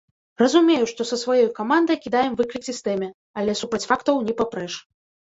Разумею, што са сваёй камандай кідаем выклік сістэме, але супраць фактаў не папрэш.